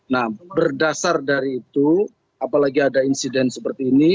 nah berdasar dari itu apalagi ada insiden seperti ini